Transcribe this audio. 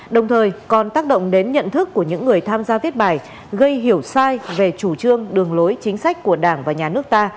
đồng thời còn tác động đến nhận thức của những người tham gia viết bài gây hiểu sai về chủ trương đường lối chính sách của đảng và nhà nước ta